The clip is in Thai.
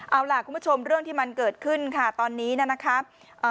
เอาล่ะคุณผู้ชมเรื่องที่มันเกิดขึ้นค่ะตอนนี้นะครับ